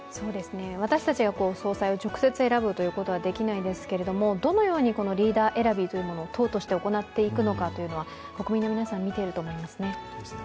私たちが総裁を直接選ぶことはできないですけれども、どのようにリーダー選びを党として行っていくのかというのは国民の皆さん、見ていると思いますね。